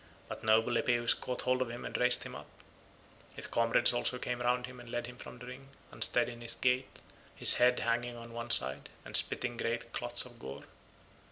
But noble Epeus caught hold of him and raised him up; his comrades also came round him and led him from the ring, unsteady in his gait, his head hanging on one side, and spitting great clots of gore.